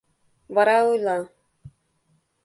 Вара ойла: